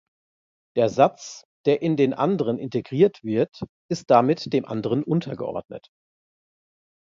Der Satz, der in den anderen integriert wird, ist damit dem anderen untergeordnet.